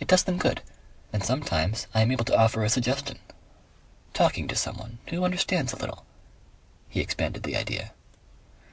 It does them good, and sometimes I am able to offer a suggestion. "Talking to someone who understands a little," he expanded the idea.